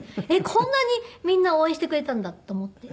こんなにみんな応援してくれていたんだと思って。